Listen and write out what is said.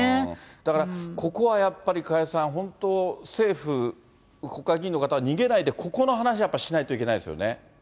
だからここはやっぱり、加谷さん、本当政府、国会議員の方は逃げないで、ここの話、しないといけないですよね。